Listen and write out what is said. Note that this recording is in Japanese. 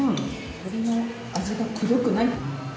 鶏の味がくどくない。